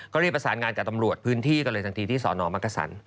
ก็รีบประสานงานกับตำรวจพื้นที่ก็เลยทันทีที่สนมักกษัน